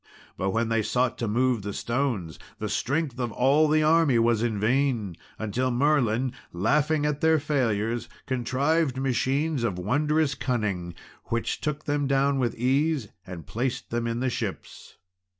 But when they sought to move the stones, the strength of all the army was in vain, until Merlin, laughing at their failures, contrived machines of wondrous cunning, which took them down with ease, and placed them in the ships.